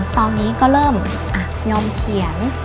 ตอนนี้ก็เริ่มยอมเขียน